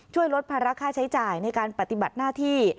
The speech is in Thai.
ช่วยลดภาระค่าใช้จ่ายในการปฏิบัติหน้าที่